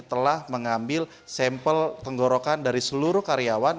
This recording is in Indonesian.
telah mengambil sampel tenggorokan dari seluruh karyawan